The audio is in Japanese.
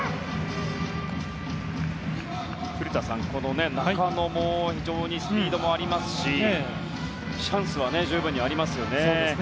古田さん、中野も非常にスピードもありますしチャンスは十分にありますよね。